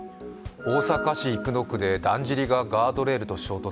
大阪市生野区でだんじりがガードレールに衝突。